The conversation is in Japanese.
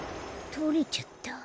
とれちゃった。